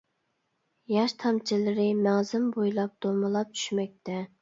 ياش تامچىلىرى مەڭزىم بويلاپ دومىلاپ چۈشمەكتە.